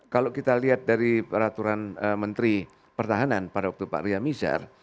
kalau kita lihat dari peraturan menteri pertahanan pada waktu pak ria mizar